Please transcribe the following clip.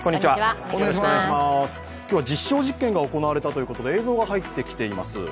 今日は実証実験が行われたということで映像が入ってきています。